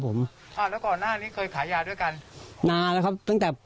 ผมอ่าแล้วก่อนหน้านี้เคยขายยาด้วยกันนานแล้วครับตั้งแต่